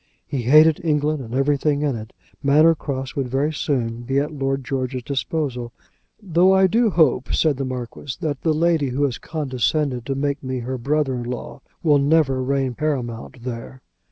He hated England and everything in it. Manor Cross would very soon be at Lord George's disposal, "though I do hope," said the Marquis, "that the lady who has condescended to make me her brother in law, will never reign paramount there."